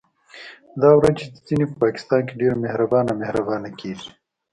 دا ورځې چې ځينې په پاکستان ډېر مهربانه مهربانه کېږي